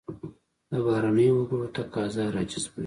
دا بهرنیو وګړو تقاضا راجذبوي.